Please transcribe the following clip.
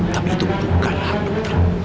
tapi itu bukan hak dokter